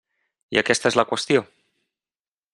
I aquesta és la qüestió.